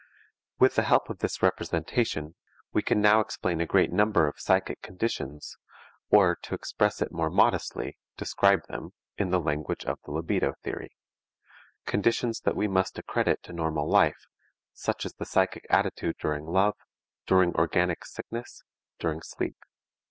With the help of this representation we can now explain a great number of psychic conditions, or to express it more modestly, describe them, in the language of the libido theory; conditions that we must accredit to normal life, such as the psychic attitude during love, during organic sickness, during sleep.